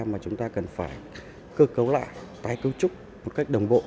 mà chúng ta cần phải cơ cấu lại tái cấu trúc một cách đồng bộ